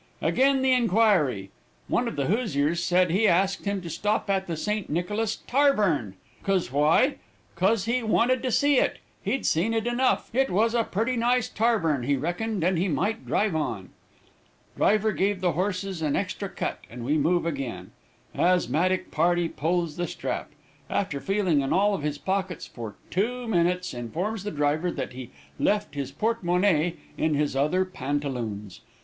Again the inquiry. One of the Hoosiers said he asked him to 'stop at the St. Nicholas tarvern, 'cause why, 'cause he wanted to see it. He'd seen it enough; it was a purty nice tarvern, he reckoned, and he might drive on.' Driver gave the horses an extra cut, and we move again. Asthmatic party pulls the strap. After feeling in all of his pockets for two minutes, informs the driver that he left his porte monnaie in his other pantaloons.